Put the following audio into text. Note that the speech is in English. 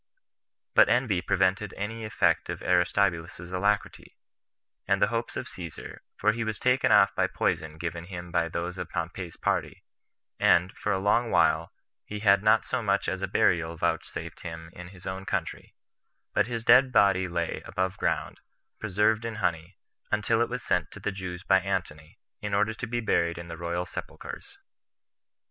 But envy prevented any effect of Aristobulus's alacrity, and the hopes of Caesar; for he was taken off by poison given him by those of Pompey's party; and, for a long while, he had not so much as a burial vouchsafed him in his own country; but his dead body lay [above ground], preserved in honey, until it was sent to the Jews by Antony, in order to be buried in the royal sepulchers.